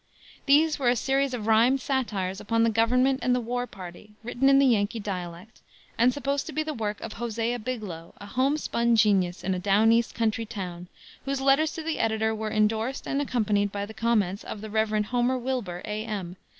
These were a series of rhymed satires upon the government and the war party, written in the Yankee dialect, and supposed to be the work of Hosea Biglow, a home spun genius in a down east country town, whose letters to the editor were indorsed and accompanied by the comments of the Rev. Homer Wilbur, A.M.